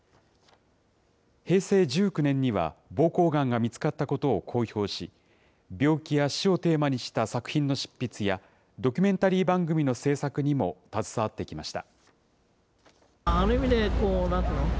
平成１９年には、ぼうこうがんが見つかったことを公表し、病気や死をテーマにした作品の執筆や、ドキュメンタリー番組の制作にも携わってきました。